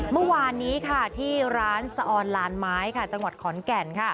เมื่อวานนี้ที่ร้านสะออนลานไม้จังหวัดขอนแก่น